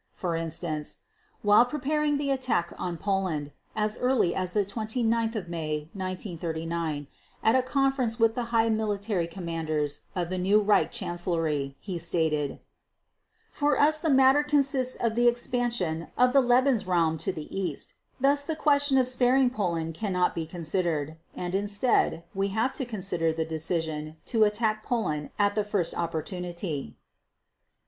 For instance, while preparing for the attack on Poland, as early as 29 May 1939, at a conference with the high military commanders of the new Reich Chancellery, he stated: "For us the matter consists of the expansion of 'Lebensraum' to the East. Thus the question of sparing Poland cannot be considered, and, instead, we have to consider the decision to attack Poland at the first opportunity."